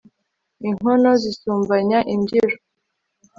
inkono zisumbanya imbyiro